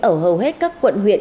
ở hầu hết các quận huyện